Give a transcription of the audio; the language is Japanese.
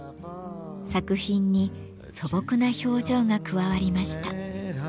作品に素朴な表情が加わりました。